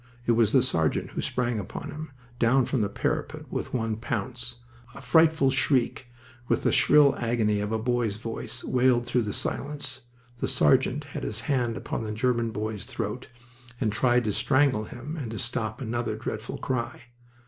It was the sergeant who sprang upon him, down from the parapet with one pounce. A frightful shriek, with the shrill agony of a boy's voice, wailed through the silence. The sergeant had his hand about the German boy's throat and tried to strangle him and to stop another dreadful cry.